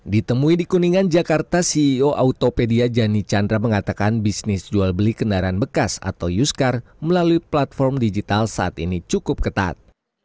ditemui di kuningan jakarta ceo autopedia jani chandra mengatakan bisnis jual beli kendaraan bekas atau uscar melalui platform digital saat ini cukup ketat